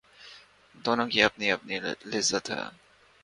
دونوں کی اپنی اپنی لذت ہے